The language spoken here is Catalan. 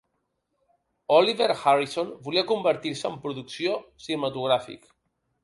Oliver Harrison volia convertir-se en producció cinematogràfic.